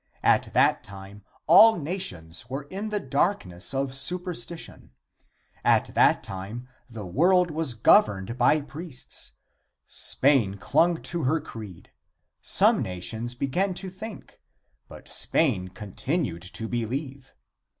At that time all nations were in the darkness of superstition. At that time the world was governed by priests. Spain clung to her creed. Some nations began to think, but Spain continued to believe.